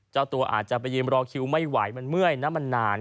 เจ้าตัวอาจจะไปยืนรอคิวไม่ไหวมันเมื่อยนะมันนาน